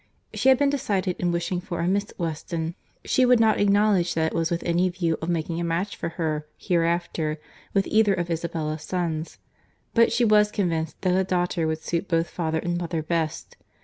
She had been decided in wishing for a Miss Weston. She would not acknowledge that it was with any view of making a match for her, hereafter, with either of Isabella's sons; but she was convinced that a daughter would suit both father and mother best.